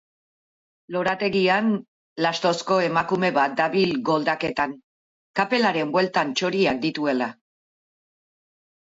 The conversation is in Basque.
Lorategian lastozko emakume bat dabil goldaketan, kapelaren bueltan txoriak dituela.